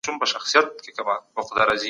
ارغنداب سیند د پوهانو د څېړنو موضوع سوی دی.